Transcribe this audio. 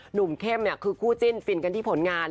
หนุ่มเข้มเนี่ยคือคู่จิ้นฟินกันที่ผลงาน